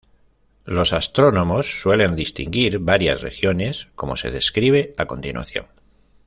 Los astrónomos suelen distinguir varias regiones, como se describe a continuación.